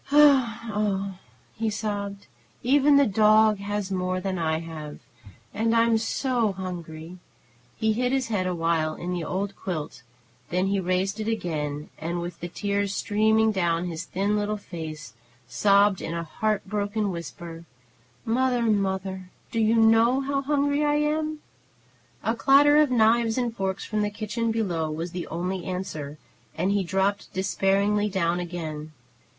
"O o oh o oh!" he sobbed. "Even the dog has more than I have, and I'm so hungry!" He hid his head awhile in the old quilt; then he raised it again, and, with the tears streaming down his thin little face, sobbed in a heartbroken whisper: "Mother! Mother! Do you know how hungry I am?" A clatter of knives and forks from the kitchen below was the only answer, and he dropped despairingly down again.